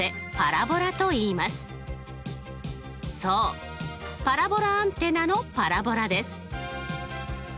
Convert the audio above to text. そうパラボラアンテナのパラボラです。